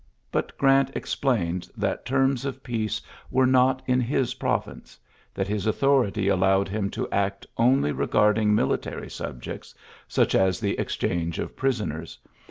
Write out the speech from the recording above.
But Grant explained that terms of peace were not in his province; that his authority allowed him to act only re garding military subjects; such as the exchange of prisoners.